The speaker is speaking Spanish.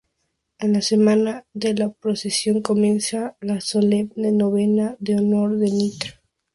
En la semana de la procesión comienza la Solemne Novena en honor a Ntra.